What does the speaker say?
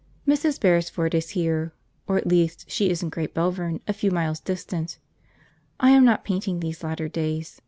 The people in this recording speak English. Mrs. Beresford is here, or at least she is in Great Belvern, a few miles distant. I am not painting, these latter days.